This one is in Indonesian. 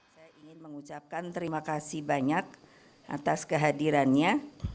saya ingin mengucapkan terima kasih banyak atas kehadirannya